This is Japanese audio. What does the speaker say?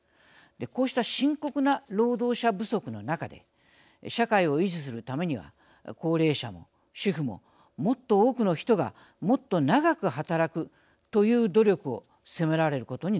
こうした深刻な労働者不足の中で社会を維持するためには高齢者も主婦ももっと多くの人がもっと長く働くという努力を迫られることになります。